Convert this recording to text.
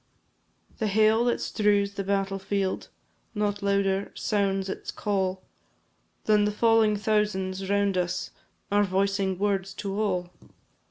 The hail that strews the battle field Not louder sounds its call, Than the falling thousands round us Are voicing words to all.